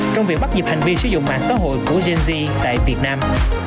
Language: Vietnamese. trong việc bắt nhịp hành vi sử dụng mạng xã hội của gen z tại việt nam